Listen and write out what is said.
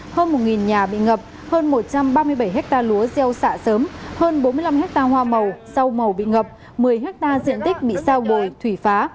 hơn một nhà bị ngập hơn một trăm ba mươi bảy ha lúa gieo sạ sớm hơn bốn mươi năm ha hoa màu sâu màu bị ngập một mươi ha diện tích bị sao bồi thủy phá